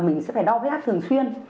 mình sẽ phải đo huyết áp thường xuyên